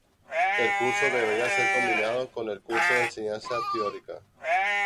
El curso debería ser combinado con el curso de enseñanza teórica.